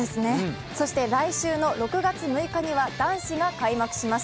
そして来週の６月６日には男子が開幕します。